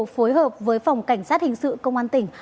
phối hợp với phòng cảnh sát hình sự công an tỉnh